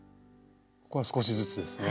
ここは少しずつですね。